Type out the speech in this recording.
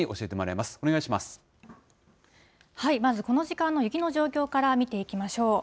まず、この時間の雪の状況から見ていきましょう。